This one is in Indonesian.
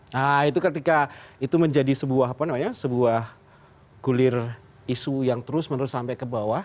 nah itu ketika itu menjadi sebuah gulir isu yang terus menerus sampai ke bawah